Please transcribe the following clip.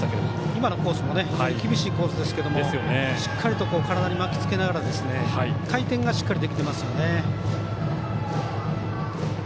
今のコースも非常に厳しいコースですけどしっかりと、体に巻きつけながら回転がしっかりできていますよね。